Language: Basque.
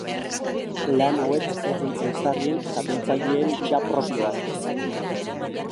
Lan hauek herri ehiztarien eta biltzaileen dira propioak.